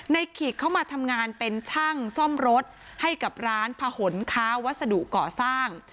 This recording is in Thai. ขีกเขามาทำงานเป็นช่างซ่อมรถให้กับร้านผนค้าวัสดุก่อสร้าง